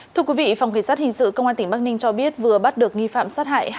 thưa quý vị phòng cảnh sát hình sự công an tỉnh bắc ninh cho biết vừa bắt được nghi phạm sát hại